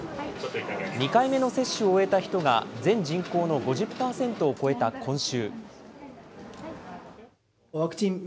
２回目の接種を終えた人が全人口の５０％を超えた今週。